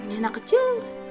ini anak kecil